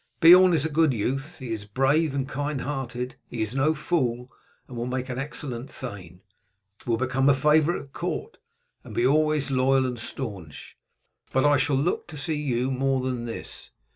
Beorn is a good youth; he is brave and kind hearted; he is no fool, and will make and excellent thane; will become a favourite at court, and be always loyal and staunch. But I shall look to see you more than this.